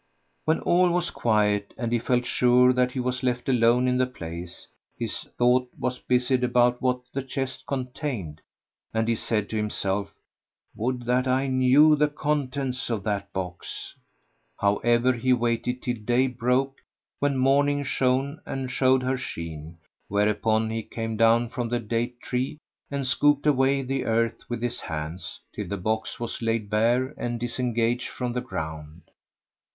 When all was quiet and he felt sure that he was left alone in the place, his thought was busied about what the chest contained and he said to himself, "Would that I knew the contents of that box!" However, he waited till day broke, when morning shone and showed her sheen: whereupon he came down from the date tree and scooped away the earth with his hands, till the box was laid bare and disengaged from the ground.